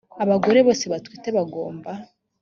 abagore bose batwite bagomba